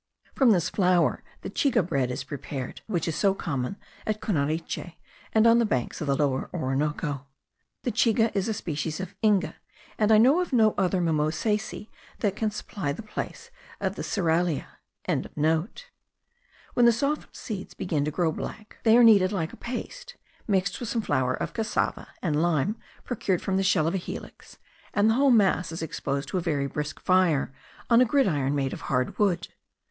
From this flour the chiga bread is prepared, which is so common at Cunariche, and on the banks of the Lower Orinoco. The chiga is a species of Inga, and I know of no other mimosacea that can supply the place of the cerealia.) When the softened seeds begin to grow black, they are kneaded like a paste; mixed with some flour of cassava and lime procured from the shell of a helix, and the whole mass is exposed to a very brisk fire, on a gridiron made of hard wood.